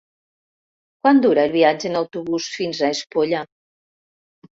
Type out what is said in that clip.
Quant dura el viatge en autobús fins a Espolla?